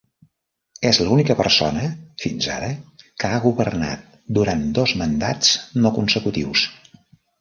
És l'única persona fins ara que ha governat durant dos mandats no consecutius.